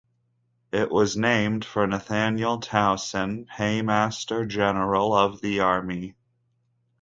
It was named for Nathaniel Towson, Paymaster General of the Army.